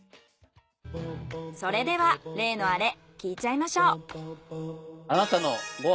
それでは例のアレ聞いちゃいましょう。